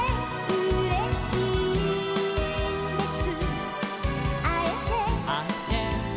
「うれしいんです」